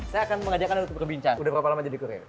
saya akan mengajak anda untuk berbincang udah berapa lama jadi korea